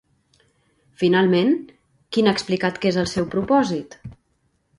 Finalment, quin ha explicat que és el seu propòsit?